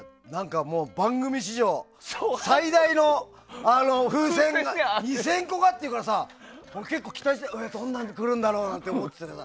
番組史上最大の風船が２０００個っていうから結構、期待しててどんなの来るんだろうって思っててさ。